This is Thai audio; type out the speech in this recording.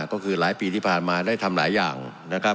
ก็คือหลายปีที่ผ่านมาได้ทำหลายอย่างนะครับ